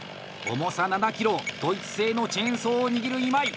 重さ７ｋｇ、ドイツ製のチェーンソーを握る今井。